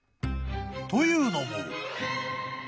［というのも］